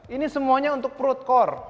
ini semuanya untuk perut core